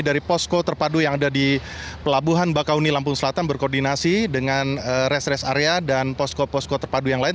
dari posko terpadu yang ada di pelabuhan bakauni lampung selatan berkoordinasi dengan rest rest area dan posko posko terpadu yang lain